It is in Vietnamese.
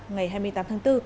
ngày hai mươi tám tháng bốn